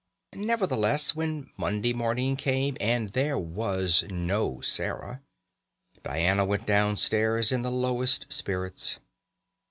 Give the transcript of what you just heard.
Nevertheless when Monday morning came and there was no Sarah, Diana went downstairs in the lowest spirits.